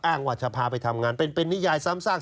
ว่าจะพาไปทำงานเป็นนิยายซ้ำซาก